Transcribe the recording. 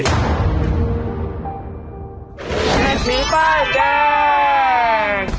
เฮียป้ายแดง